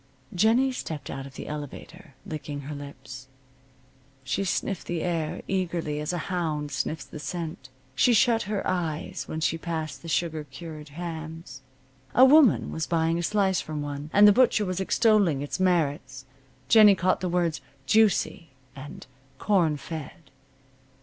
Jennie stepped out of the elevator, licking her lips. She sniffed the air, eagerly, as a hound sniffs the scent. She shut her eyes when she passed the sugar cured hams. A woman was buying a slice from one, and the butcher was extolling its merits. Jennie caught the words "juicy" and "corn fed."